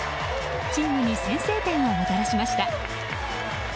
チームに先制点をもたらしました。